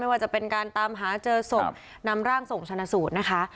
ว่าจะเป็นการตามหาเจอศพนำร่างส่งชนะสูตรนะคะ